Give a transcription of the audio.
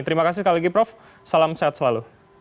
terima kasih sekali lagi prof salam sehat selalu